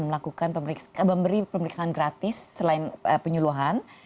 melakukan pemeriksaan memberi pemeriksaan gratis selain penyuluhan